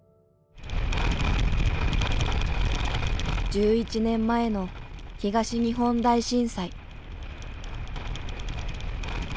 １１年前の東日本大震災。